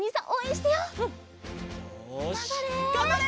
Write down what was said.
がんばれ！